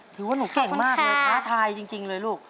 ถือว่าหนูเก่งมากเลยท้าทายจริงเลยลูก